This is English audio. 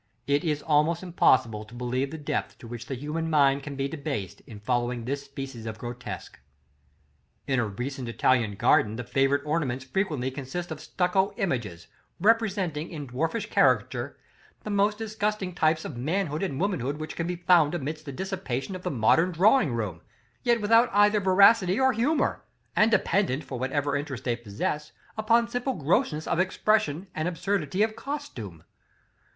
It is almost impossible to believe the depth to which the human mind can be debased in following this species of grotesque. In a recent Italian garden, the favorite ornaments frequently consist of stucco images, representing, in dwarfish caricature, the most disgusting types of manhood and womanhood which can be found amidst the dissipation of the modern drawingroom; yet without either veracity or humor, and dependent, for whatever interest they possess, upon simple grossness of expression and absurdity of costume.